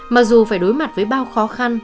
mặc dù phải đối mặt với bao khó khăn